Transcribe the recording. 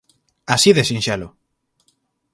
Así de sinxelo.